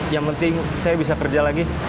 yang penting saya bisa kerja lagi